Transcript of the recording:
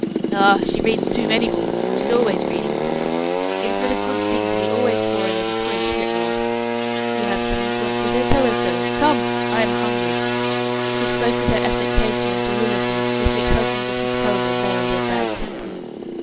"Ah! She reads too many books; she's always reading books. It is not a good thing to be always poring over print, is it, North? You have some influence with her; tell her so. Come, I am hungry." He spoke with that affectation of jollity with which husbands of his calibre veil their bad temper.